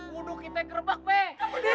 buduk kita yang kerebak weh